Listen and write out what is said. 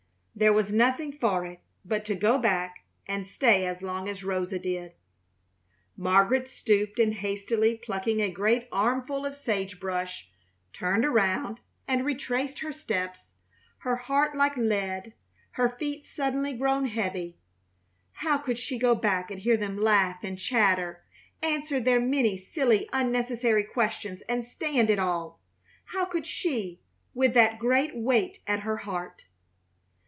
There was nothing for it but to go back and stay as long as Rosa did. Margaret stooped and, hastily plucking a great armful of sage brush, turned around and retraced her steps, her heart like lead, her feet suddenly grown heavy. How could she go back and hear them laugh and chatter, answer their many silly, unnecessary questions, and stand it all? How could she, with that great weight at her heart?